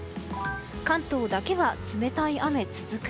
関東だけは冷たい雨、続く。